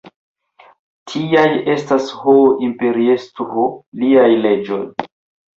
Tiaj estas, ho imperiestro, liaj leĝoj.